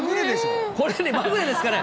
これ、まぐれですかね。